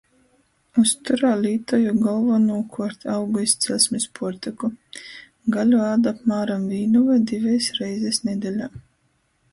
Uzturā lītoju golvonūkuort augu izceļsmis puortyku, gaļu ādu apmāram vīnu voi divejis reizis nedeļā.